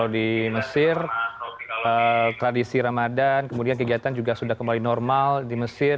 di mesir tradisi ramadan kemudian kegiatan juga sudah kembali normal di mesir